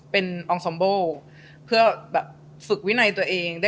เป็นอองซอมโบเพื่อแบบฝึกวินัยตัวเอง